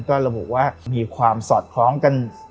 ก็ระบุว่ามีความสอดคล้องกัน